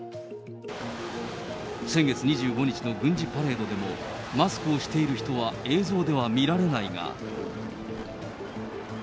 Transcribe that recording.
先月２５日の軍事パレードでも、マスクをしている人は映像では見られないが。